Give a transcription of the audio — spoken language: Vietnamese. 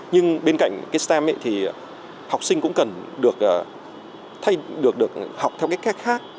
nhưng bên cạnh stem học sinh cũng cần được học theo cách khác